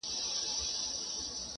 • دغه ياغي خـلـگـو بــه منـلاى نـــه ـ